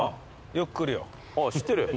よく来るよ。